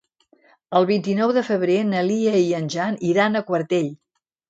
El vint-i-nou de febrer na Lia i en Jan iran a Quartell.